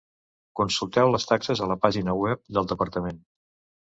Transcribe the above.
Consulteu les taxes a la pàgina web del Departament.